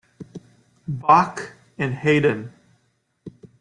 Bach, and Haydn.